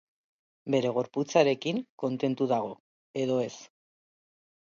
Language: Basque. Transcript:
Bere gorputzarekin kontentu dago edo ez?